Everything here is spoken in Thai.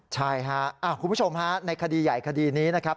ใช่ค่ะคุณผู้ชมฮะในคดีใหญ่คดีนี้นะครับ